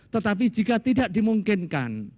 tetapi jika tidak dimungkinkan